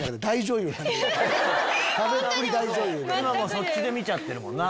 そっちで見ちゃってるもんな。